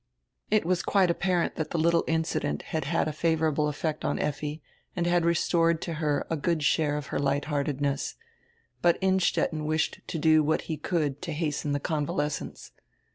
It was quite apparent that the little incident had had a favorable effect on Effi and had restored to her a good share of her light heartedness. But Innstetten wished to do what he could to hasten the convalescence.